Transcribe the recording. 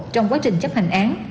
trong quá trình chấp hành án